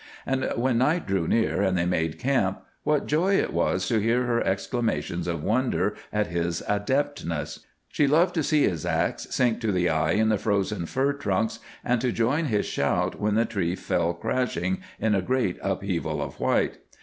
And when night drew near and they made camp, what joy it was to hear her exclamations of wonder at his adeptness! She loved to see his ax sink to the eye in the frozen fir trunks and to join his shout when the tree fell crashing in a great upheaval of white.